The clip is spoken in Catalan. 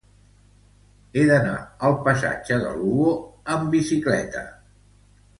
He d'anar al passatge de Lugo amb bicicleta.